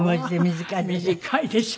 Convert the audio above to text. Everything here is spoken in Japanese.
短いでしょ。